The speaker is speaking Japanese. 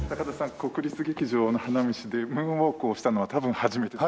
国立劇場の花道でムーンウォークをしたのは多分初めてです。